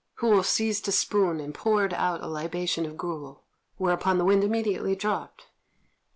Hou seized a spoon and poured out a libation of gruel, whereupon the wind immediately dropped.